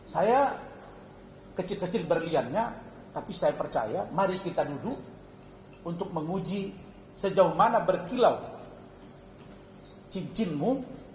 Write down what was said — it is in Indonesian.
saya kecil kecil berliannya tapi saya percaya mari kita duduk untuk menguji sejauh mana berkilau cincinmu